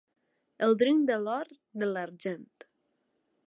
El dring de l'or, de l'argent.